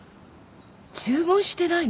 注文してないのに？